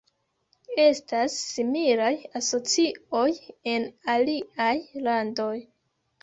Estas similaj asocioj en aliaj landoj.